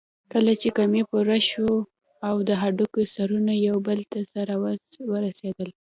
کله چې کمى پوره شو او د هډوکي سرونه يو بل ته سره ورسېدل.